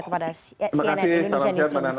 kepada cnn indonesia news